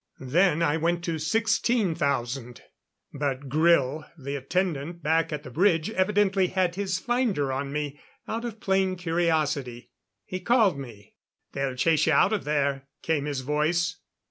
Then I went to 16,000. But Grille, the attendant back at the bridge, evidently had his finder on me, out of plain curiosity. He called me. "They'll chase you out of there," came his voice.